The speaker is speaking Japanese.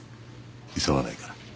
急がないから。